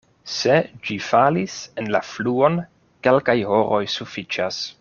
Se ĝi falis en la fluon, kelkaj horoj sufiĉas.